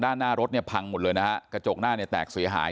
ด้านหน้ารถพังหมดเลยนะคะกระจกหน้าแตกเสียหาย